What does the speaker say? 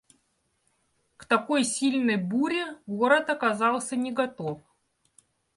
К такой сильной буре город оказался не готов.